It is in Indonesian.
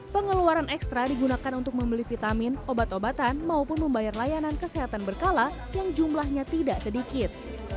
pengeluaran ekstra digunakan untuk membeli vitamin obat obatan maupun membayar layanan kesehatan berkala yang jumlahnya tidak sedikit